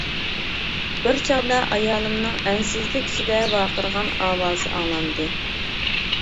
بىر چاغدا ئايالىمنىڭ ئەنسىزلىك ئىچىدە ۋارقىرىغان ئاۋازى ئاڭلاندى.